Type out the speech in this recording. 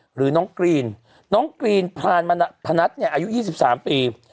หรือน้องกรีนน้องกรีนผ่านมาผนัดเนี่ยอายุยี่สิบสามปี